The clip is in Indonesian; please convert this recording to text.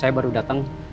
saya baru datang